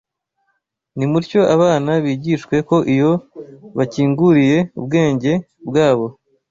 Nimutyo abana bigishwe ko iyo bakinguriye ubwenge bwabo